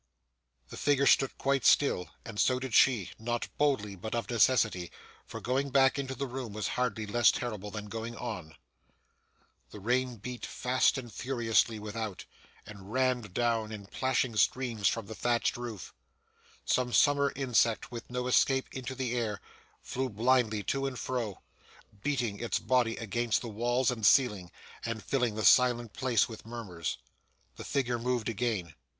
The figure stood quite still, and so did she; not boldly, but of necessity; for going back into the room was hardly less terrible than going on. The rain beat fast and furiously without, and ran down in plashing streams from the thatched roof. Some summer insect, with no escape into the air, flew blindly to and fro, beating its body against the walls and ceiling, and filling the silent place with murmurs. The figure moved again.